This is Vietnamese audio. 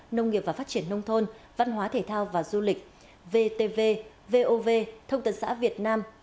nông nghiệp và phát triển nông thôn văn hóa thể thao và du lịch vtv vov thông tấn xã việt nam